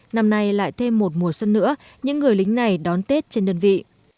năm nay lại thêm một mùa xuân nữa những người lính này đón tết trên đơn vị